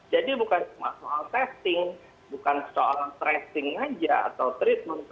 jadi bukan cuma soal testing bukan soal tracing saja atau treatment